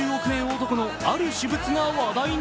男のある私物が話題に。